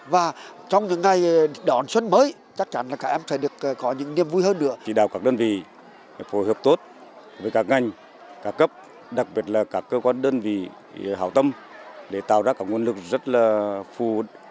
với các ngành các cấp đặc biệt là các cơ quan đơn vị hảo tâm để tạo ra các nguồn lực rất là phù